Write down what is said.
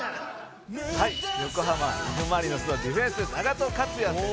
「横浜Ｆ・マリノスのディフェンス永戸勝也選手ですね」